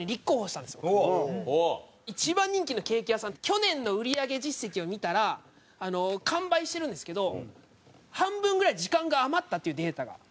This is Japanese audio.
去年の売り上げ実績を見たら完売してるんですけど半分ぐらい時間が余ったっていうデータが。